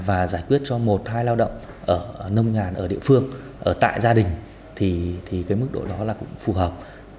và giải quyết cho một hai lao động ở nông ngàn ở địa phương ở tại gia đình thì cái mức độ đó là cũng phù hợp